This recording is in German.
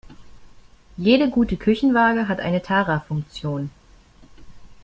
Jede gute Küchenwaage hat eine Tara-Funktion.